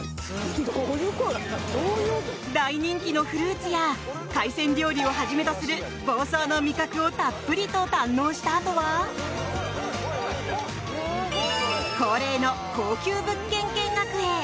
大人気のフルーツや海鮮料理をはじめとする房総の味覚をたっぷりと堪能したあとは恒例の高級物件見学へ。